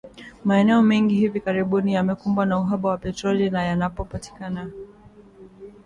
Maeneo mengi hivi karibuni yamekumbwa na uhaba wa petroli na yanapopatikana,